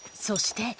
そして。